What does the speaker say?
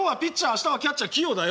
明日はキャッチャー器用だよ。